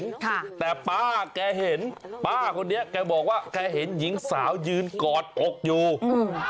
ค่ะแต่ป้าแกเห็นป้าคนนี้แกบอกว่าแกเห็นหญิงสาวยืนกอดอกอยู่อืม